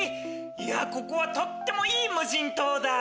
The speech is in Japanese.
ここはとってもいい無人島だ。